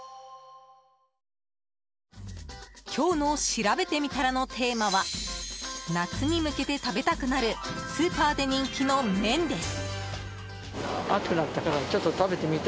今日のしらべてみたらのテーマは夏に向けて食べたくなるスーパーで人気の麺です。